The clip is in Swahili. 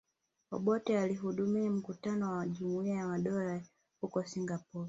Obote alihudhuria mkutano wa Jumuiya ya Madola huko Singapore